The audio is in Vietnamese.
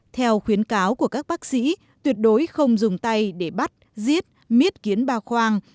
theo khuyến cáo của các bác sĩ tuyệt đối không dùng tay để bắt giết kiến ba khoang